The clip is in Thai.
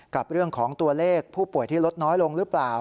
กับเรื่องของตัวเลขผู้ป่วยที่ลดน้อยลงหรือเปล่า